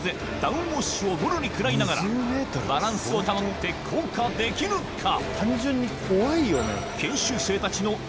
ウォッシュをもろに食らいながらバランスを保って降下できるか？